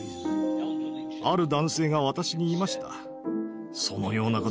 ある男性が私に言いました。